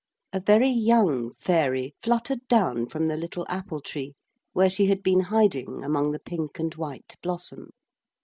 A very young fairy fluttered down from the little apple tree where she had been hiding among the pink and white blossom.